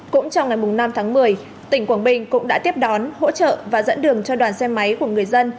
cũng trong ngày năm tháng một mươi tỉnh quảng bình cũng đã tiếp đón hỗ trợ và dẫn đường cho đoàn xe máy của người dân